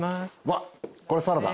わっこれサラダ？